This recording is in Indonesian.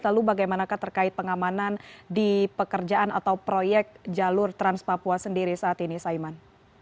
lalu bagaimana terkait pengamanan di pekerjaan atau proyek jalur trans papua sendiri saat ini saiman